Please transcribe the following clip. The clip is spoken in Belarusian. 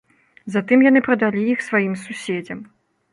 Затым яны прадалі іх сваім суседзям.